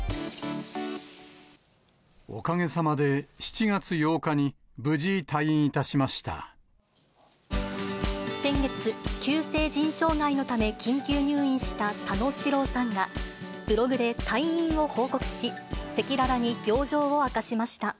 おかげさまで、７月８日に無先月、急性腎障害のため緊急入院した佐野史郎さんが、ブログで退院を報告し、赤裸々に病状を明かしました。